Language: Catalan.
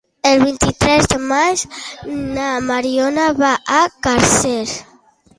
El vint-i-tres de maig na Mariona va a Càrcer.